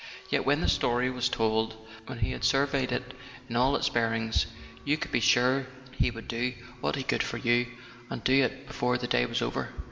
Yet when the story was told, and he had surveyed it in all its bearings, you could be sure he would do what he could for you, and do it before the day was over.